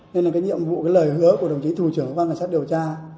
nên là cái nhiệm vụ cái lời hứa của đồng chí thủ trưởng của văn cảnh sát điều tra